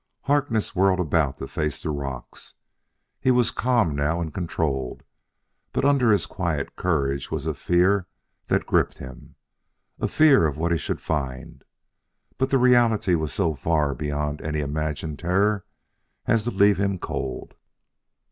Harkness whirled about to face the rocks. He was calm now and controlled, but under his quiet courage was a fear that gripped him. A fear of what he should find! But the reality was so far beyond any imagined terror as to leave him cold.